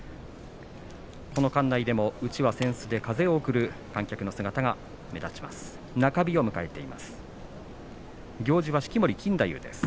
この館内でもうちわ、扇子で風を送る観客の姿が見られます。